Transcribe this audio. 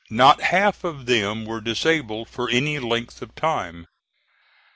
Not half of them were disabled for any length of time.